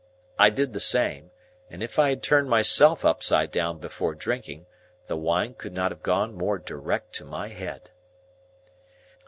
I did the same; and if I had turned myself upside down before drinking, the wine could not have gone more direct to my head.